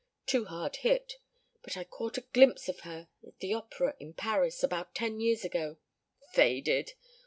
Too hard hit. But I caught a glimpse of her at the opera in Paris about ten years ago faded!